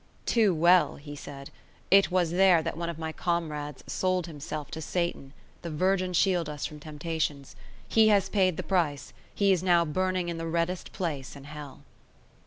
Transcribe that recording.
"Too well," he said, "it was there that one of my comrades sold himself to Satan; the Virgin shield us from temptations! He has paid the price; he is now burning in the reddest place in Hell!"